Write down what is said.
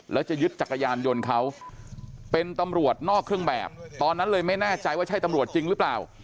แล้วจะยึดจักรยานยนต์เขาเป็นตำรวจนอกเครื่องแบบตอนนั้นเลยไม่แน่ใจว่าใช่ตำรวจจริงหรือเปล่า